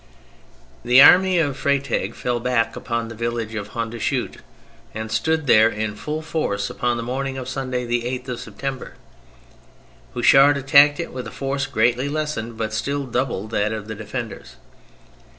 The army of Freytag fell back upon the village of Hondschoote and stood there in full force upon the morning of Sunday, the 8th of September. Houchard attacked it with a force greatly lessened but still double that of the defenders.